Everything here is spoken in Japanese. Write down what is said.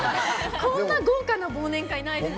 こんな豪華な忘年会ないです。